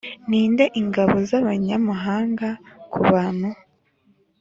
ninde ingabo z'abanyamahanga kubuntu